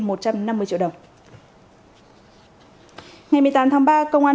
ngày một mươi tám tháng ba công an huyện kim động đã đặt tổng giá trị trên một trăm năm mươi triệu đồng